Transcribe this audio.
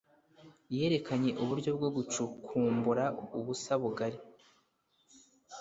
yerekanye uburyo bwo gucukumbura ubusa bugari